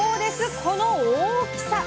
この大きさ！